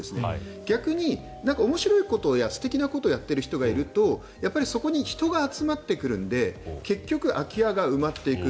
逆に面白いことや素敵なことをやっている人がいるとそこに人が集まってくるので結局、空き家が埋まっていくと。